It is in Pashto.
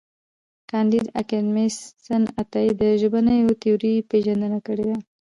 کانديد اکاډميسن عطایي د ژبنیو تیورۍ پېژندنه کړې ده.